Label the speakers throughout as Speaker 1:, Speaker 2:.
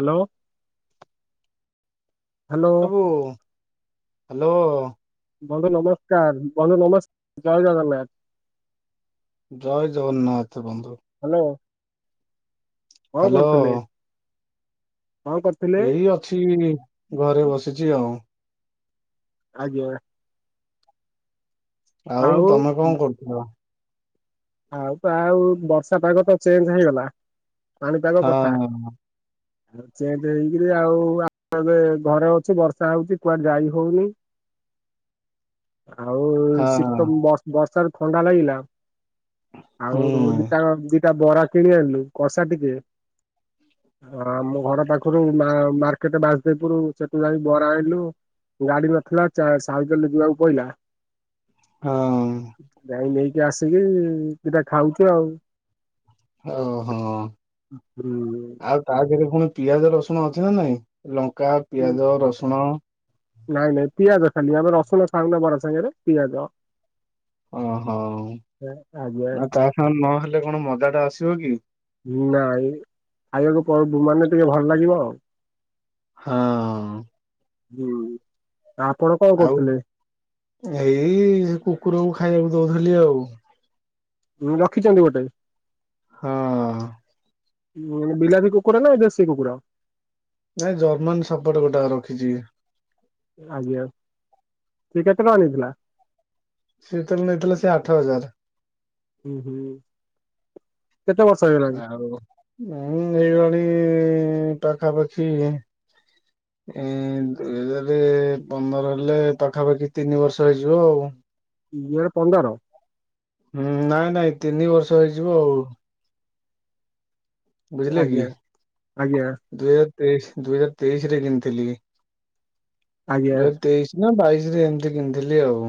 Speaker 1: Hello.
Speaker 2: ଦାସବାବୁ hello
Speaker 1: ବନ୍ଧୁ ନମସ୍କାର ବନ୍ଧୁ ନମସ୍କାର ଜୟ ଜଗନ୍ନାଥ।
Speaker 2: ଜୟ ଜଗନ୍ନାଥ ବନ୍ଧୁ।
Speaker 1: ହ୍ୟାଲୋ। କଣ
Speaker 2: ହ୍ୟାଲୋ।
Speaker 1: କରୁଥିଲେ? କଣ କରୁଥିଲେ
Speaker 2: ଏଇ ଅଛି ଘରେ ବସିଛି ଆଉ।
Speaker 1: ଆଜ୍ଞ।
Speaker 2: ଆଉ ତମେ କଣ କରୁଚ?
Speaker 1: ଆଉ ତ ଆଉ ବର୍ଷା ପାଗ ତ ଚେଞ୍ଜ ହେଇଗଲା ପାଣିପାଗ କଥା
Speaker 2: ହଁ
Speaker 1: [inaudible] ଚେଞ୍ଜ ହେଇକରି ଆଉ ଏବେ ଘରେ ଅଛି ବର୍ଷା ହଉଚି କୁଆଡେ ଯାଇ ହଉନି ଆଉ ଉ
Speaker 2: ହଁ
Speaker 1: ଶୀତ ବର୍ଷାରୁ ଥଣ୍ଡା ଲାଗିଲା
Speaker 2: ହୁଁ
Speaker 1: ଆଉ ଦିଟା ଦିଟା ବରା କିଣି ଆଣିଲୁ କଷା ଟିକେ ହଁ ଆମ ଘର ପାଖରୁ ମାର୍କେଟ ବାସଦେବପୁର ସେଠୁ ଯାଇ ବରା ଆଣିଲୁ ଗାଡି ନଥିଲା ଚା ସାଇକେଲ ରେ ଯିବାକୁ ପଇଲା
Speaker 2: ହଁ ଅଁ।
Speaker 1: ଯାଇଁ ନେଇକି ଆସିକି ଦଟା ଖାଉଚୁ ଆଉ।
Speaker 2: ହଉ ହଁ
Speaker 1: ହୁଁ।
Speaker 2: ଆଉ ତା ଦେହରେ ଫୁଣି ପିଆଜ ରସୁଣ ଅଛି ନା ନାଇଁ ଲଙ୍କା ପିଆଜ ରସୁଣ
Speaker 1: ନାଇଁ ନାଇଁ ପିଆଜ ଖାଲି ଆମେ ରସୁଣ ଖାଉନେ ବରା ସାଙ୍ଗରେ ପିଆଜ
Speaker 2: ଓହୋ
Speaker 1: ଆଜ୍ଞା
Speaker 2: ଆ ତା ସାଙ୍ଗ ନହେଲେ କଣ ମଜା ଟା ଆସିବ କି।
Speaker 1: ନାଇଁ ଖାଇବାକୁ ପ ମାନେ ଟିକେ ଭଲ ଲାଗିବ ଆଉ।
Speaker 2: ହଁ ଅଁ
Speaker 1: ହୁଁ ଆପଣ କଣ
Speaker 2: ଆଉ
Speaker 1: କରୁଥିଲେ?
Speaker 2: ଏଇ ସେ କୁକୁରକୁ ଖାଇବାକୁ ଦଉଥିଲି ଆଉ।
Speaker 1: ହୁଁ ରଖିଛନ୍ତି ଗୋଟେ?
Speaker 2: ହଁ ଅଁ
Speaker 1: ଉଁ ବିଲାତି କୁକୁର ନା ଦେଶୀ କୁକୁର?
Speaker 2: ନାଇଁ ଜର୍ମାନ [unintelligible] ଗୋଟାଏ ରଖିଛି।
Speaker 1: ଆଜ୍ଞା ସେଏ କେତେ ଟଙ୍କା ନେଇଥିଲା?
Speaker 2: ସେତେବେଳେ ନେଇଥିଲା ସେ ଆଠ ହଜାର।
Speaker 1: ହୁଁ ହୁଁ। କେତେ ବର୍ଷ ହେଇ?
Speaker 2: ଆଉ ମୁଁ ଏଇଭଳି ଇ ପାଖାପାଖି
Speaker 1: [unintelligible]
Speaker 2: ଏଁ ଦୁଇ ହଜାର ପନ୍ଦର ହେଲେ ପାଖାପାଖି ତିନି ବର୍ଷ ହେଇଯିବ ଆଉ।
Speaker 1: ଦୁଇହଜାରେ ପନ୍ଦର।
Speaker 2: ହୁଁ ନାଇଁ ନାଇଁ ତିନି ବର୍ଷ ହେଇଯିବ ଆଉ। ବୁଝିଲେକି।
Speaker 1: ଆଜ୍ଞା ଆଜ୍ଞା
Speaker 2: ଦୁଇ ହଜାର ତେଇସି ଦୁଇ ହଜାର ତେଇଶି ରେ କିଣିଥିଲି
Speaker 1: ଆଜ୍ଞା।
Speaker 2: ଦୁଇ ତେଇଶି ନା ବାଇଶ ରେ ଏମିତି କିଣିଥିଲି ଆଉ।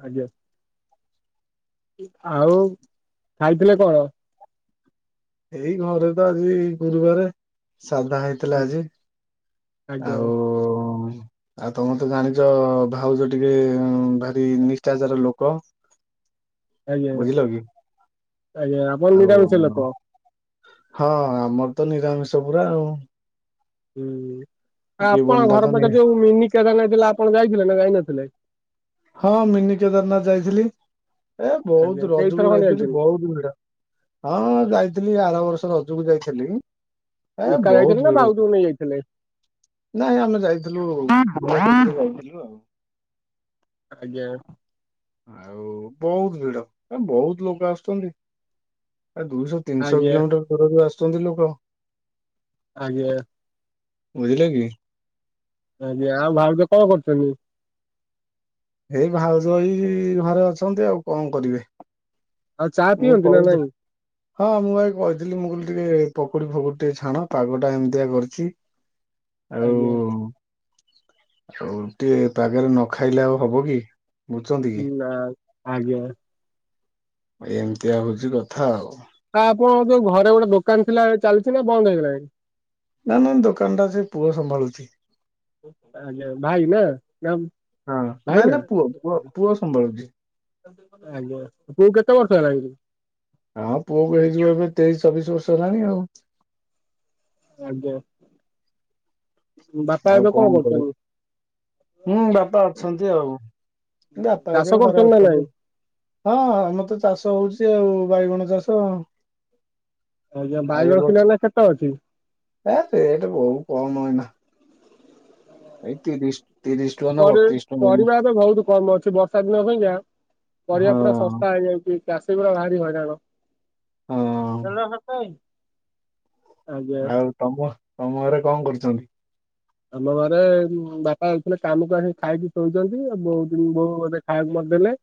Speaker 1: ଆଜ୍ଞା। ଆଉ ଖାଇଥିଲେ କଣ?
Speaker 2: ଏଇ ଘରେ ତ ଆଜି ଗୁରୁବାର ସାଧା ହେଇ ଥିଲା
Speaker 1: ଆଜ୍ଞା
Speaker 2: ଆଜି
Speaker 1: ଆଜ୍ଞା
Speaker 2: ଆଉ ଆଉ ତମେ ତେ ଜାଣିଛ ଭାଉଛ ଟିକେ ଭାରି ନିଷ୍ଠାଚାର ଲୋକ
Speaker 1: ଆଜ୍ଞା
Speaker 2: ବୁଝିଲକି
Speaker 1: ଆଜ୍ଞା ଆପଣ
Speaker 2: ଆଉ
Speaker 1: ନିରାମିଷ ଲୋକ
Speaker 2: ହଁ ଆମର ତ ନିରାମିଷ ପୁରା ଆଉ।
Speaker 1: ହୁଁ ଆ ଆପଣଙ୍କ
Speaker 2: ଜୀବନଟା ତ
Speaker 1: ଘର
Speaker 2: ନି
Speaker 1: ପାଖେ ଯୋଉ ମିନିକେଦାରନାଥ ହେଇଥିଲା ଆପଣ ଯାଇଥିଲେ ନା ଯାଇନଥିଲେ?
Speaker 2: ହଁ ମିନିକେଦାରନାଥ ଯାଇଥିଲି ଏ
Speaker 1: ଆଜ୍ଞା
Speaker 2: ବହୁତ ର
Speaker 1: କେଇଥର
Speaker 2: ରଜକୁ
Speaker 1: ଖଣ୍ଡେ
Speaker 2: ଯାଇଥିଲି
Speaker 1: ଯାଇଛନ୍ତି
Speaker 2: ବହୁତ ଭିଡ। ହଁ ଯାଇଥିଲି ଆର ବର୍ଷ ରଜକୁ ଯାଇଥିଲି। ଏ
Speaker 1: ଏକା
Speaker 2: ବହୁତ
Speaker 1: ଯାଇଥିଲେ ନା
Speaker 2: ଭିଡ
Speaker 1: ଭାଉଜ ଙ୍କୁ
Speaker 2: ଥିଲା।
Speaker 1: ନେଇ ଯାଇଥିଲେ?
Speaker 2: ନାଇଁ ଆମେ ଯାଇଥିଲୁ [unintelligible] ଯାଇଥିଲୁ ଆଉ।
Speaker 1: ଆଜ୍ଞା।
Speaker 2: ଆଉ ବହୁତ୍ ଭିଡ ଏ ବହୁତ୍ ଲୋକ ଆସୁଛନ୍ତି। ଏ ଦୁଇଶ ତିନିଶ
Speaker 1: ଆଜ୍ଞା
Speaker 2: କିଲୋମିଟର୍ ଦୂରରୁ ଆସୁଛନ୍ତି ଲୋକ।
Speaker 1: ଆଗିଆ।
Speaker 2: ବୁଝିଲେ କି।
Speaker 1: ଆଜ୍ଞା ଆଉ ଭାଉଜ କଣ କରୁଛନ୍ତି?
Speaker 2: ଏଇ ଭାଉଜ ଏଇ ଘରେ ଅଛନ୍ତି ଆଉ କଣ କରିବେ?
Speaker 1: ଆଉ ଚା
Speaker 2: ମୁଁ
Speaker 1: ପିଅନ୍ତି ନା
Speaker 2: କହୁଥି
Speaker 1: ନାଇଁ?
Speaker 2: ହଁ ମୁଁ ଏଇ ବଇଥିଲି ମୁଁ କହିଲି ଟିକେ ପକୁଡି ଫକୁଡି ଟିକେ ଛାଣ ପାଗ ଟା ଏମିତିଆ କରିଛି ଆଉ
Speaker 1: ଆଜ୍ଞା
Speaker 2: ଆଉ ଏମିତି ପାଗରେ ନ ଖାଇଲେ ଆଉ ହବ କି? ବୁଝୁଛନ୍ତି କି
Speaker 1: ନାଁ ଆଜ୍ଞା।
Speaker 2: ଏମିତିଆ ହଉଚି କଥା ଆଉ।
Speaker 1: ଆ ଆପଣଙ୍କ ଯୋଉ ଘରେ ଗୋଟେ ଦୋକାନ୍ ଥିଲା ଚାଲିଚି ନା ବନ୍ଦ ହେଇଗଥିଲାଣି?
Speaker 2: ନାଁ ନାଁ ଦୋକାନ୍ ଟା ସେ ପୁଅ ସମ୍ଭାଳୁଛି।
Speaker 1: ଆଜ୍ଞା ଭାଇ ନା ନା
Speaker 2: ହଁ ନାଇଁ
Speaker 1: ଭାଇ ନା।
Speaker 2: ପୁଅ ପୁଅ ପୁଅ ସମ୍ଭାଳୁଛି।
Speaker 1: ଆଜ୍ଞା ପୁଅକୁ କେତେ ବର୍ଷ ହେଲାଣି?
Speaker 2: ହଁ ପୁଅ କୁ ହେଇଯିବ ଏବେ ତେଇଶ୍ ଚବିଶି ବର୍ଷ ହେଲାଣି ଆଉ।
Speaker 1: ଆଜ୍ଞା ବାପା
Speaker 2: ଆଉ
Speaker 1: ଏବେ କଣ
Speaker 2: କରିବୁ।
Speaker 1: କରୁଛନ୍ତି?
Speaker 2: ହୁଁ ବାପା ଅଛନ୍ତି ଆଉ ବାପା
Speaker 1: ଚାଷ
Speaker 2: ଏବେ ଘରେ
Speaker 1: କରୁଛନ୍ତି ନା ନାଇଁ?
Speaker 2: ଅଛନ୍ତି। ହଁ ଆମର ତ ଚାଷ ହଉଚି ଆଉ ବାଇଗଣ ଚାଷ।
Speaker 1: ଆଜ୍ଞା
Speaker 2: ଏ
Speaker 1: ବାଇଗଣ
Speaker 2: ବର୍ଷ
Speaker 1: କିଲ ଏବେ କେତେ ଅଛି?
Speaker 2: ଏ ସେଟ୍ ବୋହୁ କମ ଏନା। ଏଇ ତିରିଶ୍ ତିରିଶ୍
Speaker 1: ପରି ପରିବା ଏବେ ବୋହୁତ୍ କମ ଅଛି। ବର୍ଷା ଦିନ ପାଇଁ କା
Speaker 2: ହଁ
Speaker 1: ପରିବା ପୁରା ଶସ୍ ତା ହେଇଯାଉଛି ଚାଷୀ ଗୁରା ଭାରି ହଇରାଣ।
Speaker 2: ହଁ।
Speaker 1: [unintelligible]
Speaker 2: ଆଉ ତମ ତମ ଘରେ କଣ କରୁଚନ୍ତି?
Speaker 1: ଆମ ଘରେ ବାପା ଯାଇଥିଲେ କାମକୁ ଆସି ଖାଇକି ଶୋଇଛନ୍ତି। ଆଉ ବୋଉ ଏବେ ଖାୟାକୁ ମତେ ଦେଲେ।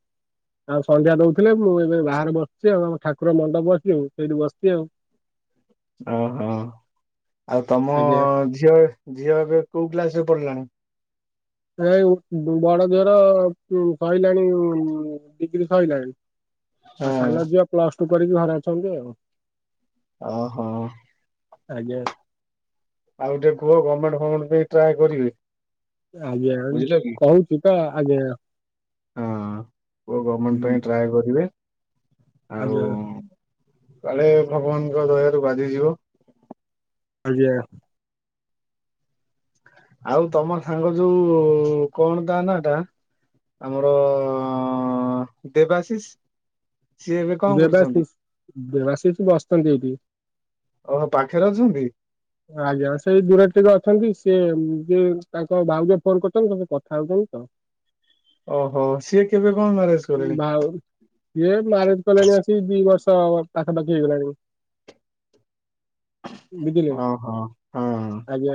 Speaker 1: ଆଉ ସନ୍ଧ୍ୟା ଦଉଥିଲେ ମୁଁ ଏବେ ବାହାରେ ବସିଛି ଆଉ ଆମ ଠାକୁର ମଣ୍ଡପ ବସିଛିି ସେଇଠି ବସିଛି ଆଉ।
Speaker 2: ଅହ ଆଉ ତମ
Speaker 1: ଆଜ୍ଞା
Speaker 2: ଝିଅ ଝିଅ ଏବେ କୋଉ କ୍ଲାସ ରେ ପଢ଼ିଲାଣି?
Speaker 1: ଏ ବଡ ଝିଅ ର ସଇଲାଣି ଉଁ ଡିଗ୍ରୀ ସଇଲାଣି। ଆଉ
Speaker 2: ହଁ
Speaker 1: ସାନ ଝିବ ପ୍ଲସ୍ ଟୁ କରିକି ଘରେ ଅଛନ୍ତି ଆଉ।
Speaker 2: ଅହ।
Speaker 1: ଆଜ୍ଞା।
Speaker 2: ଆଉ ଟିକେ କୁହ ଗମେଣ୍ଟ ଫମେଣ୍ଟ ପାଇଁ ଟ୍ରାଏ କରିବେ।
Speaker 1: ଆଜ୍ଞା
Speaker 2: ବୁଝିଲ କି?
Speaker 1: କହୁଚୁ ତ ଆଜ୍ଞା।
Speaker 2: ହଁ କୁଅ ଗମେଣ୍ଟ ପାଇଁ ଟ୍ରାଏ କରିବେ ଆଉ
Speaker 1: ଆଜ୍ଞା
Speaker 2: କାଳେ ଭଗବାନ୍ ଙ୍କ ଦୟାରୁୁ ବାଜିଯିବ।
Speaker 1: ଆଜ୍ଞା।
Speaker 2: ଆଉ ତମର୍ ସାଙ୍ଗ ଯୋଉ କଣ୍ ତା ନା ଟା? ଆମର ଅ ଦେବାଶିଷ୍।
Speaker 1: ଦେବାଶିଷ୍ ଦେବାଶିଷ୍ ବସ୍ତାନ୍ତି ଏଟି।
Speaker 2: ଓହୋ ପାଖରେ ଅଛନ୍ତି।
Speaker 1: [inaudible] ଆଜ୍ଞା ସେଇ ଦୂରରେ ଟିକେ ଅଛନ୍ତି ସିଏ ଯିଏ ତାଙ୍କ ଭାଉଜ ଫୋନ କରୁଛନ୍ତି ତ ସେ କଥା ହଉଛନ୍ତି। [inaudible]
Speaker 2: ଓହୋ ସିଏ କେବେ କଣ ମ୍ୟାରେଜ କଲେଣି?
Speaker 1: ଭାଉ ସିଏ ମ୍ୟାରେଜ କଲେଣି ଆସି ଦି ବର୍ଷ ପାଖାପାଖି ହେଇଗଲାଣି। ବୁଝିଲେ।
Speaker 2: ଓହୋ ହଁ
Speaker 1: ଆଜ୍ଞା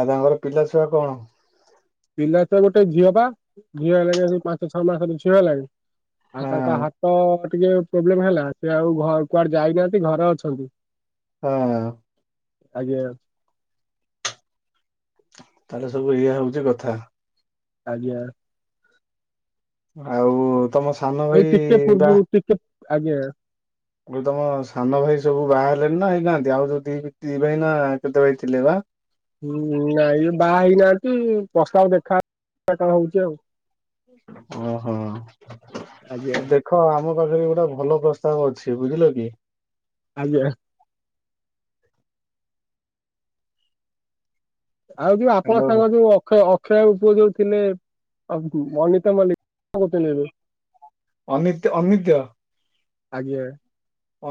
Speaker 2: ଆଉ ତାଙ୍କର ପିଲାଛୁଆ କଣ?
Speaker 1: ପିଲା ଛୁଆ ଗୋଟେ ଝିଅ ବା ଝିଅ ହେଲାଣି ସେଇ ପାଞ୍ଚ ଛଅ ମାସ ର ଝିଅ ହେଲାଣି। ଆଉ ତାଙ୍କ
Speaker 2: ହଁ
Speaker 1: ହାତ ଟିକେ ପ୍ରୋବ୍ଲେମ ହେଲା। ସେ ଆଉ ଘ କୁଆଡେ ଯାଇନାହାନ୍ତି ଘରେ ଅଛନ୍ତି।
Speaker 2: ହଁ।
Speaker 1: ଆଜ୍ଞା।
Speaker 2: ତାହେଲେ ସବୁ ଇଆ ହଉଚ କଥା।
Speaker 1: ଆଜ୍ଞା।
Speaker 2: ଆଉ ତମ ସାନ ଭାଇ ବା
Speaker 1: ଚୁପ୍ ଚୁପ୍। ଆଜ୍ଞା।
Speaker 2: ଆ ତମ ସାନ ଭାଇ ସବୁ ବାହାହେଲେଣି ନା ହେଇନାହାନ୍ତି ଆଉ ଯଦି ଦି ଭାଇ ନା କେତେ ଭାଇ ଥିଲେ ବା?
Speaker 1: ହୁଁ ନାଇଁ ଏଇ ବାହା ହେଇନାହାନ୍ତି। ପ୍ରସ୍ତାବ ଦେଖା କଣ ହଉଛି ଆଉ।
Speaker 2: ଓହୋ।
Speaker 1: ଆଜ୍ଞା
Speaker 2: ଦେ ଦେଖ ଆମ ପାଖରେ ଗୋଟେ ଭଲ ପ୍ରସ୍ତାବ ଅଛି। ବୁଝିଲ କି?
Speaker 1: ଆଜ୍ଞା। ଆଉ ଯୋଉ ଆପଣଙ୍କ
Speaker 2: ହ୍ୟାଲୋ
Speaker 1: ସାଙ୍ଗ ଯୋଉ ଅ ଅକ୍ଷୟ ଅକ୍ଷୟ ବାବୁ ପୁଅ ଯୋଉ ଥିଲେ ଅନନିତା ମଲ୍ଲିକ କଣ କରୁଛନ୍ତି ଏବେ?
Speaker 2: ଅନିତ ଅମିତ୍ୟ।
Speaker 1: ଆଜ୍ଞା।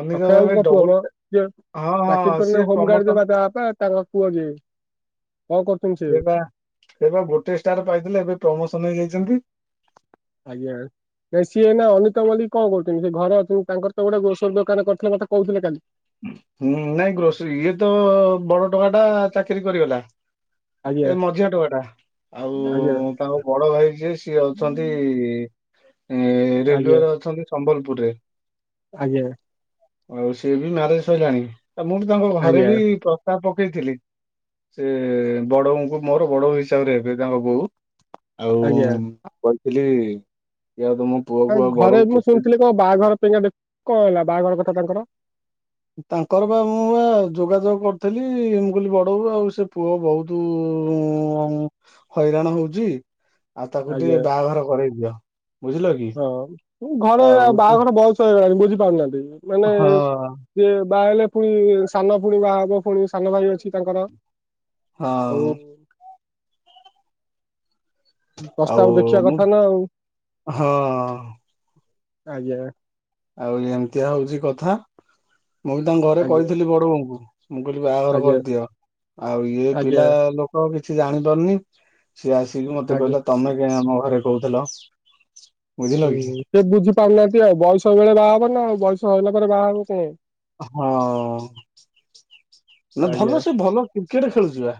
Speaker 2: ଅନିତ୍ୟ
Speaker 1: ଅକ୍ଷୟ
Speaker 2: ଭାଇ
Speaker 1: ବାବୁଙ୍କ
Speaker 2: ଡବଲ
Speaker 1: ପୁଅମ ଯିଏ
Speaker 2: ହଁ
Speaker 1: ଚାକିର
Speaker 2: ହଁ
Speaker 1: କରି ନ
Speaker 2: ସିଏ
Speaker 1: ହୋମ ଗାର୍ଡ ଯିଏ
Speaker 2: ପ୍ରମୋସନ
Speaker 1: ଯାହା ବାପା ତାଙ୍କ ପୁଅ ଯେ କଣ କରୁଛି?
Speaker 2: ଏ ଏବେ ଗୋଟେ ଷ୍ଟାର ପାଇଥିଲେ ଏବେ ପ୍ରମୋସନ ହେଇଯାଇଛନ୍ତି।
Speaker 1: ଆଜ୍ଞା। ନାଇ ସିଏ ନା ଅନିତା ମଲିକ୍ କଣ କରୁଛନ୍ତି? ସେ ଘର ଅଛନ୍ତି ତାଙ୍କର ତ ଗୋଟେ ଗ୍ରୋସରୀ ଦୋକାନ କରିଥିଲେ ମତେ କହୁଥିଲେ କାଲି।
Speaker 2: ହଁ ନାଇଁ ଗ୍ରୋସରୀ ଇଏ ତ ବଡ ଟୋକା ଟା ଚାକିରୀ କରିଗଲା।
Speaker 1: ଆଜ୍ଞା
Speaker 2: ଏଇ ମଝିଆ ଟୋକା ଟା ଆଉ
Speaker 1: ଆଜ୍ଞା
Speaker 2: ତାଙ୍କ ବଡ ଭାଇ ଯିଏ ସିଏ ଅଛନ୍ତି ଏ
Speaker 1: ଆଜ୍ଞା
Speaker 2: ରେଲୱେରେ ଅଛନ୍ତି ସମ୍ବଲପୁରରେ।
Speaker 1: ଆଜ୍ଞା।
Speaker 2: ଆଉ ସିଏ ବି ମ୍ୟାରେଜ ସଇଲାଣି। ଆ ମୁଁ ବି ତାଙ୍କ ଘରେ
Speaker 1: ଆଜ୍ଞା
Speaker 2: ବି ପ୍ର ପ୍ରସ୍ତାବ ପକେଇଥିଲି। ସେ ବଡବୋଉ ଙ୍କୁ ମୋର ବଡବୋଉ ହିସାବରେ ହେବେ ତାଙ୍କ ବୋଉ। ଆଉ
Speaker 1: ଆଜ୍ଞା
Speaker 2: କହିଥିଲି ଏ ଆଉ ତମକୁ
Speaker 1: ଆ ଘରେ ମୁଁ ଶୁଣିଥିଲି କଣ ବାହାଘର ପାଇଁକା କଣ ହେଲା ବାହାଘର କଥା ତାଙ୍କର?
Speaker 2: ତାଙ୍କର ବା ମୁଁ ବା ଯୋଗାଯୋଗ କରିଥିଲି। ମୁଁ କହିଁଲି ବଡବୋଉ ଆଉ ସେ ପୁଅ ବହୁତ ତୁ ହଇରାଣ ହଉଛି। ଆଉ ତାକୁ
Speaker 1: ଆଜ୍ଞା
Speaker 2: ଟିକେ ବାହାଘର କରେଇଦିଅ। ବୁଝିଲ କି ଆଉ
Speaker 1: ହଇରାଣ ବୁଝିପାରୁନାହାନ୍ତି ମାନେ
Speaker 2: ହଁ
Speaker 1: ସେ ବାହା ହେଲେ ପୁଣି ସାନ ପୁଣି ବାହା ହବ ପୁଣି ସାନ ଭାଇ ଅଛି ତାଙ୍କର।
Speaker 2: ହଁ।
Speaker 1: ଆଉ
Speaker 2: ଆଉ
Speaker 1: ପ୍ରସ୍ତାବ ଦେଖିବା
Speaker 2: ମୁଁ
Speaker 1: କଥା ନା ଆଉ
Speaker 2: ହଁ
Speaker 1: ଆଜ୍ଞା।
Speaker 2: ଆଉ ଏମିତିଆ ହଉଛି କଥା ମୁଁ ବି ତାଙ୍କ ଘରେ
Speaker 1: ଆଜ୍ଞା
Speaker 2: କହିଥିଲି ବଡ ବୋଉଙ୍କୁ। ମୁଁ କହିଲି ବାହାଘର
Speaker 1: ଆଜ୍ଞା
Speaker 2: କରିଦିଅ ଆଉ ଇଏ
Speaker 1: ଆଜ୍ଞା।
Speaker 2: ପିଲା ଲୋକ କିଛି ଜାଣିପାରୁନି। ସିଏ ଆସିକି ମତେ
Speaker 1: ଆଜ୍ଞା
Speaker 2: କହିଲା ତମେ କାଇଁ ଆମ ଘରେ କହୁଥିଲ। ବୁଝିଲ
Speaker 1: ହୁଁ
Speaker 2: କି
Speaker 1: ସେ ବୁଝି ପାରୁନାହାନ୍ତି ଆଉ ବୟସ ବେଳେ ବାହାହବ ନା ଆଉ ବୟସ ହେଇଲା ପରେ ବାହାହବ କାଇଁ।
Speaker 2: ହଁ। ନା
Speaker 1: ଆଜ୍ଞା
Speaker 2: ଭଲ ସେ ଭଲ କ୍ରିକେଟ ଖେଳୁଛି ବା।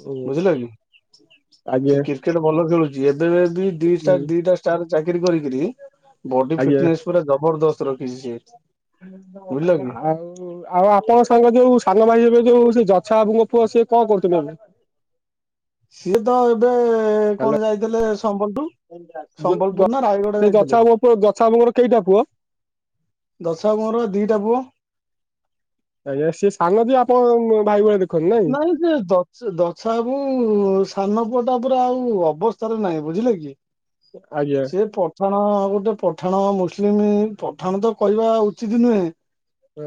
Speaker 1: ଉଁ
Speaker 2: ବୁଝିଲ କିି ସେ
Speaker 1: ଆଜ୍ଞା
Speaker 2: କୀର୍ କ୍ରିକେଟ ଭଲ ଖେଳୁଛି ଏବେ ବି ଦି ଦିଟା
Speaker 1: ଉଁ
Speaker 2: ଦି ଟା ଷ୍ଟାର ଚାକିରି କରିକରି ବଡି
Speaker 1: ଆଜ୍ଞା
Speaker 2: ଫିଟନେସ୍ ପୁରା ଜବରଦସ୍ତ ରଖିଛି ସିଏ। ବୁଝିଲ କି
Speaker 1: ଆଉ ଓ ଆଉ ଆପଣ ସାଙ୍ଗ ଯୋଉ ସାନ ଭାଇ ଏବେ ଯୋଉ ସେ ଜଛା ବାବୁଙ୍କ ପୁଅ ସିଏ କଁ କରୁଚନ୍ତି ଏବେ?
Speaker 2: ସିଏ ତ ଏବେ
Speaker 1: ହ୍ୟାଲୋ
Speaker 2: କଣ ଯାଇଥିଲେ ସମ୍ବଲ ଟୁ।
Speaker 1: ସେ ଜଛା ବାବୁଙ୍କ ଯଛା ବାବୁଙ୍କର କେଇଟା ପୁଅ?
Speaker 2: ଦଶା ବାବୁଙ୍କର ପା ଦିଟା ପୁଅ।
Speaker 1: ଆଜ୍ଞା ସିଏ ସାନ ଯିଏ ଆପଣ ଭାଇ ଭଳିଆ ଦେଖନ୍ତି ନା।
Speaker 2: ନାଇଁ ସେ ଦ ଦଛାବୁ ସାନ ପୁଅଟା ପୁରା ଆଉ ଅବସ୍ଥାରେ ନାହିଁ ବୁଝିଲେ କି।
Speaker 1: ଆଜ୍ଞା
Speaker 2: ସେ ପ ପଠାଣ ଗୋଟେ ପଠାଣ ମୁସଲିମ ପଠାଣ ତ କହିବା ଉଚିତ ନୁହେଁ।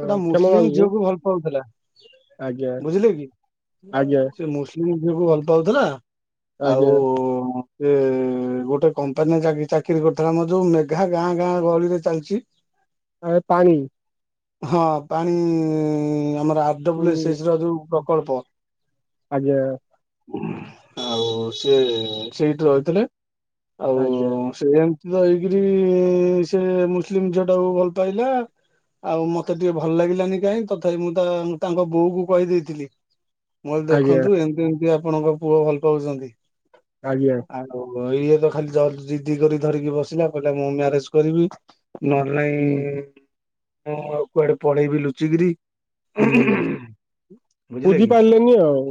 Speaker 2: ଗୋଟେ
Speaker 1: କ୍ଷମା
Speaker 2: ମୁସଲିମ
Speaker 1: ମାଗୁଛି।
Speaker 2: ଝିଅକୁ ଭଲ ପାଉଥିଲା।
Speaker 1: ଆଜ୍ଞା
Speaker 2: ବୁଝିଲେ କି
Speaker 1: ଆଜ୍ଞା।
Speaker 2: ସେ ମୁସଲିମ ଝିଅକୁ ଭଲ ପାଉଥିଲା ଆଉ
Speaker 1: ଆଜ୍ଞା
Speaker 2: ସେ ଗୋଟେ କମ୍ପାନୀରେ ଚାକିରି କରିଥିଲା ମୋର ଯୋଉ ମେଘା ଗାଁ ଗାଁ ଗହଳିରେ ଚାଲିଛି।
Speaker 1: ଆ ପାଣି।
Speaker 2: ହଁ ପାଣି ଆମର
Speaker 1: ହୁଁ
Speaker 2: ଆରଡବ୍ଲୁ ଏସେ ଏସ ର ଯୋଉ ପ୍ରକଳ୍ପ।
Speaker 1: ଆଜ୍ଞା।
Speaker 2: ଆଉ ସେ ସେଇଠି ରହିଥିଲେ, ଆଉ
Speaker 1: ଆଜ୍ଞା
Speaker 2: ସେ ଏମିତି ତ ହେଇକରି ସେ ମୁସଲିମ ଝିଅ ଟାକୁ ଭଲ ପାଇଲା। ଆଉ ମତେ ଟିକେ ଭଲ ଲାଗିଲାନି କାଇହିଁ ତଥାପି ମୁଁ ତାଙ୍କ ବୋଉ କ କହିଦେଇଥିଲି। ମୁଁ କହିଲି
Speaker 1: ଆଜ୍ଞା
Speaker 2: ଦେଖନ୍ତୁ ଏମତି ଏମିତି ଆପଣଙ୍କ ପୁଅ ଭଲ ପାଉଛନ୍ତି।
Speaker 1: ଆଜ୍ଞା।
Speaker 2: ଆଉ ଇଏ ତ ଖାଲି ଜିଦି କରି ଧରିକି ବସିଲା କହିଲା ମୁଁ ମ୍ୟାରେଜ କରିବି। ନହେଲେ ନାଇଁ
Speaker 1: ହୁଁ
Speaker 2: ମୁଁ ଆଉ କୁଆଡେ ପଳେଇବି ଲୁଚିକିରି।
Speaker 1: ହୁଁ।
Speaker 2: ବୁଝିଲେ
Speaker 1: ବୁଝି
Speaker 2: କି
Speaker 1: ପାରିଲେନି ଆଉ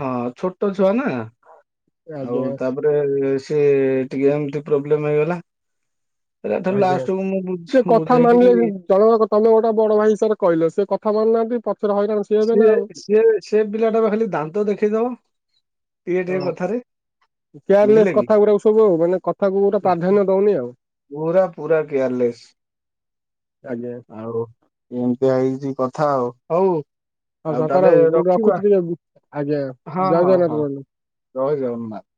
Speaker 2: ହଁ ଛୋଟ ଛୁଆ ନା ଆଉ
Speaker 1: ଆଜ୍ଞା
Speaker 2: ତା ପରେ ସେ ଟିକେ ଏମତି ପ୍ରୋବ୍ଲେମ ହେଇଗଲା। ଏକାଥରେ ଲାଷ୍ଟକୁୁ ମୁଁ ବଝ ବୁଝେଇକିରି
Speaker 1: ତମେ ଦେଖ ତମେ ଗୋଟେ ବଡ ଭାଇ ହିସାବରେ କହିଲ ସେ କଥା ମାନୁନାହାନ୍ତି ପଛରେ ହଇରାଣ ହେବେ ନା
Speaker 2: ସିଏ ସି ସେ ପିଲା ଟା ବା ଖାଲି ଦାନ୍ତ ଦେଖେଇ ଦବ ଟିକେ ଟିକେ
Speaker 1: ଆଉ।
Speaker 2: କଥାରେ। ବୁଝିଲେ
Speaker 1: କେୟାରଲେସ୍
Speaker 2: କି?
Speaker 1: କଥା ଗୁଡାକ ସବୁ ଏଇ ମାନେ କଥା କୁ ଗୁରା ପ୍ରାଧାନ୍ୟ ଦଉନି ଆଉ।
Speaker 2: ପୁରା ପୁରା କେୟାରଲେସ।
Speaker 1: ଆଜ୍ଞା।
Speaker 2: ଏମିତିଆ ହେଇଛି କଥା ଆଉ ହଉ।
Speaker 1: ହଁ
Speaker 2: ଆଉ
Speaker 1: ଶଙ୍କର
Speaker 2: ତାହେଲେ
Speaker 1: ବାବୁ ମୁଁ
Speaker 2: ରଖିବା
Speaker 1: ରଖୁଛି ଆଜ୍ଞା
Speaker 2: ହଁ
Speaker 1: ଜୟ
Speaker 2: ହଁ ହଁ
Speaker 1: ଜଗନ୍ନାଥ ବନ୍ଧୁ।
Speaker 2: ଜୟ ଜଗନ୍ନାଥ।